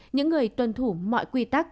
những người tuân thủ mọi quy tắc